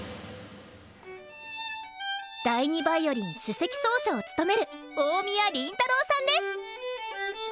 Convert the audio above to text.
第２ヴァイオリン首席奏者を務める大宮臨太郎さんです。